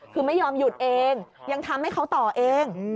คือไม่ยอมหยุดเองยังทำให้เขาต่อเอง